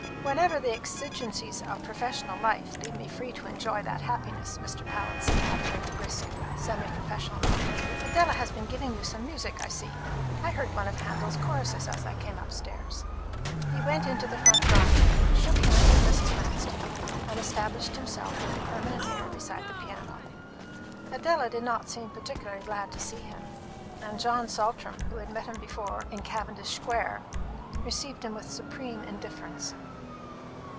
"Whenever the exigencies of professional life leave me free to enjoy that happiness," Mr. Pallinson added in a brisk semi professional manner. "Adela has been giving you some music, I see. I heard one of Handel's choruses as I came upstairs." He went into the front drawing room, shook hands with Mrs. Branston, and established himself with a permanent air beside the piano. Adela did not seem particularly glad to see him; and John Saltram, who had met him before in Cavendish square, received him with supreme indifference.